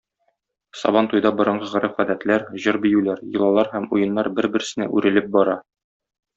Сабантуйда борынгы гореф-гадәтләр, җыр-биюләр, йолалар һәм уеннар бер-берсенә үрелеп бара.